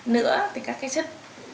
nữa thì các chất